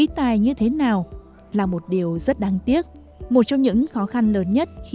chống ngoại xâm kéo dài như thế nào là một điều rất đáng tiếc một trong những khó khăn lớn nhất khi